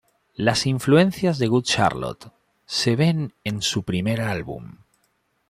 Las influencias de Good Charlotte se ven en su primer álbum.